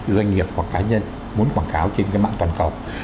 doanh nghiệp hoặc cá nhân muốn quảng cáo trên cái mạng toàn cầu